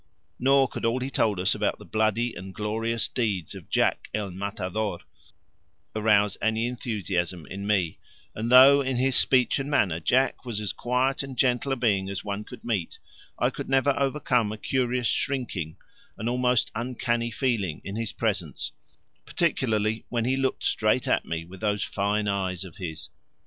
Nor could all he told us about the bloody and glorious deeds of Jack el Matador arouse any enthusiasm in me; and though in his speech and manner Jack was as quiet and gentle a being as one could meet, I could never overcome a curious shrinking, an almost uncanny feeling, in his presence, particularly when he looked straight at me with those fine eyes of his.